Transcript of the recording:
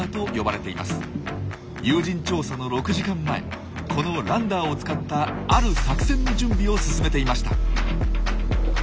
有人調査の６時間前このランダーを使ったある作戦の準備を進めていました。